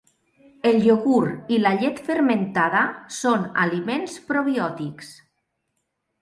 El iogurt i la llet fermentada són aliments probiòtics.